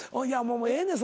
ええねん